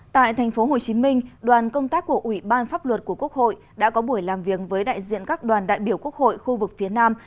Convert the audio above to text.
tại thành phố hồ chí minh đoàn công tác của ủy ban pháp luật của quốc hội đã có buổi làm việc với đại diện các đoàn đại biểu quốc hội khu vực phía nam